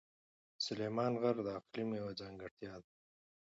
سلیمان غر د اقلیم یوه ځانګړتیا ده.